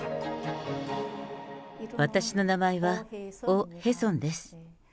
私の名前はオ・ヘソンです。